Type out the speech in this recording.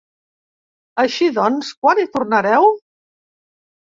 Així doncs, quan hi tornareu?